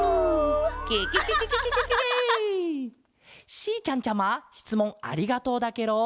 しーちゃんちゃましつもんありがとうだケロ！